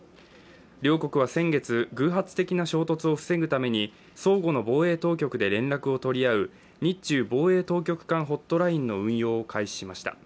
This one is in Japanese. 両国は先月、偶発的な衝突を防ぐために相互の防衛当局で連絡を取り合う日中防衛当局間ホットラインの運用を開始しました。